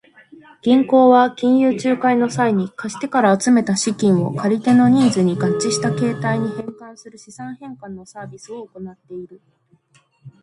銀行は金融仲介の際に、貸し手から集めた資金を借り手のニーズに合致した形態に変換する資産変換のサービスを行っている。